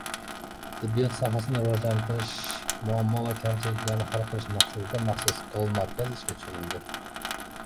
Tibbiyot sohasini rivojlantirish, muammo va kamchiliklarni hal qilish maqsadida maxsus «Sall-markaz» ishga tushirildi